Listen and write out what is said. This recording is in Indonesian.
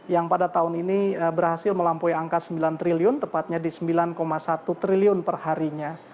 yang pada tahun ini berhasil melampaui angka sembilan triliun tepatnya di sembilan satu triliun perharinya